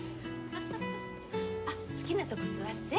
あっ好きなとこ座って。